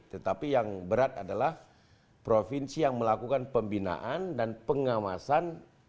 tetapi yang berat adalah provinsi yang melakukan pembinaan dan pengawasan